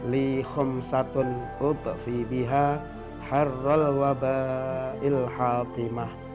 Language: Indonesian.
lihumsatun utfibiha harral wabahil hatimah